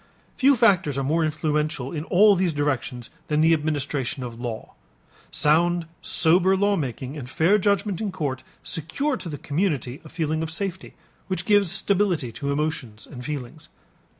Few factors are more influential in all these directions than the administration of law. Sound sober lawmaking and fair judgment in court secure to the community a feeling of safety which gives stability to emotions and feelings.